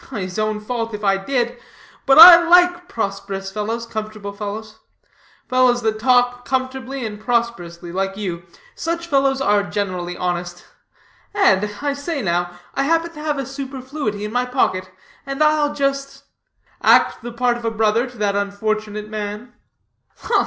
"His own fault if I did. But I like prosperous fellows, comfortable fellows; fellows that talk comfortably and prosperously, like you. Such fellows are generally honest. And, I say now, I happen to have a superfluity in my pocket, and I'll just "" Act the part of a brother to that unfortunate man?"